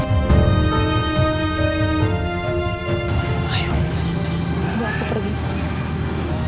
biar aku pergi